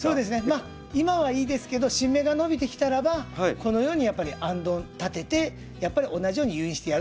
まあ今はいいですけど新芽が伸びてきたらばこのようにやっぱりあんどん立ててやっぱり同じように誘引してやるといいと思います。